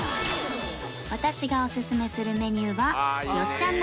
私がオススメするメニューは